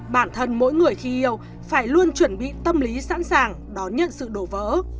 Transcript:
bản thân mỗi người khi yêu phải luôn chuẩn bị tâm lý sẵn sàng đón nhận sự đổ vỡ